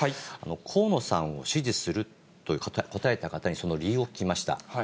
河野さんを支持すると答えた方にその理由を聞きました。